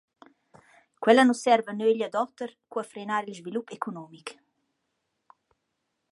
Quella nu serva a nöglia d’oter co a frenar il svilup economic.